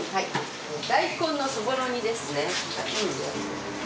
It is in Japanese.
大根のそぼろ煮ですね。